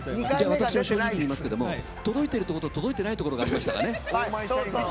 私も正直に申し上げますが届いているところと届いてないところがありましたね。